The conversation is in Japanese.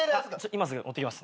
今すぐ持ってきます。